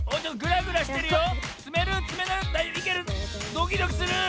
ドキドキする！